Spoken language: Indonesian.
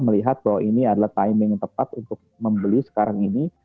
melihat bahwa ini adalah timing yang tepat untuk membeli sekarang ini